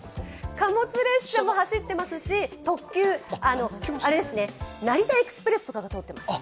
貨物列車も走っていますし特急、成田エクスプレスとかが通っています。